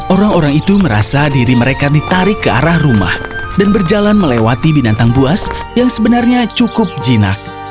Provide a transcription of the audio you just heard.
orang orang itu merasa diri mereka ditarik ke arah rumah dan berjalan melewati binatang buas yang sebenarnya cukup jinak